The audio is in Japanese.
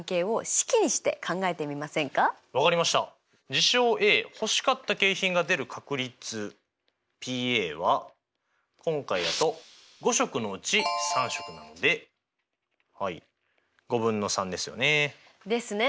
事象Ａ欲しかった景品が出る確率Ｐは今回だと５色のうち３色なのではい５分の３ですよね。ですね。